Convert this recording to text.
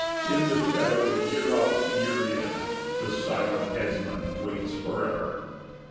In the shadow, year out, year in, The silent headsman waits forever.